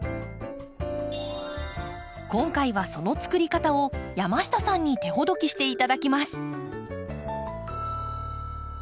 今回はそのつくり方を山下さんに手ほどきして頂きます。